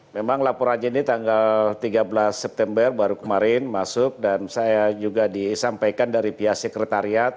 memang laporannya ini tanggal tiga belas september baru kemarin masuk dan saya juga disampaikan dari pihak sekretariat